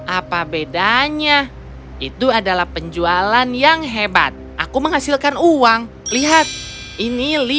apa bedanya itu adalah penjualan yang hebat aku menghasilkan uang lihat ini